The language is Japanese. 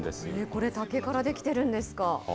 これ、竹から出来てるんですか？